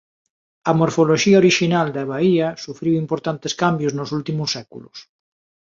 A morfoloxía orixinal da baía sufriu importantes cambios nos últimos séculos.